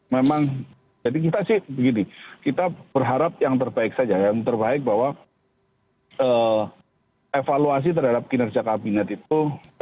memang jadi kita sih begini kita berharap yang terbaik saja yang terbaik bahwa evaluasi terhadap kinerja kabinet itu